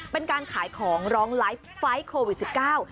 เป็นการขายของร้องไลฟ์ไฟล์โควิดสิบเก้า